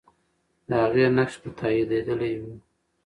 د هغې نقش به تاییدېدلی وو.